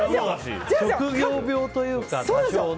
職業病というか、多少ね。